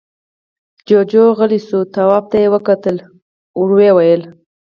جُوجُو غلی شو، تواب ته يې وکتل، ورو يې وويل: